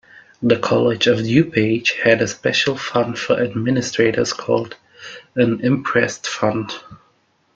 The College of DuPage had a special fund for administrators called an imprest fund.